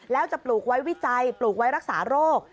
แล้วจะปลูกไว้วิจัยปลูกไว้รักษาโรค